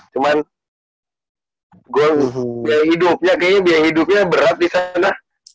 cuman gue biaya hidupnya kayaknya biaya hidupnya berat disana